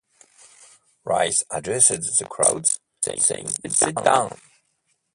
Rice addressed the crowds, saying Sit down.